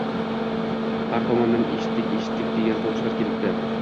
Har tomondan Eshitdik, eshitdik, degan tovushlar kelibdi